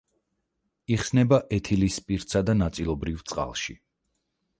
იხსნება ეთილის სპირტსა და ნაწილობრივ წყალში.